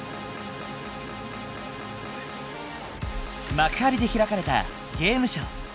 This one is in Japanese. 幕張で開かれたゲームショウ。